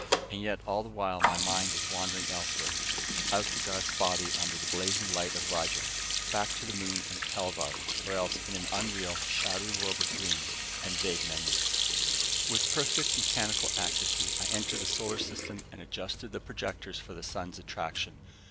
And yet all the while my mind was wandering elsewhere out to Garth's body under the blazing light of Rigel, back to the moon and Kelvar, or else in an unreal, shadowy world of dreams and vague memories. With perfect mechanical accuracy I entered the solar system and adjusted the projectors for the sun's attraction.